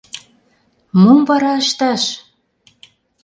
Мом вара ышташ?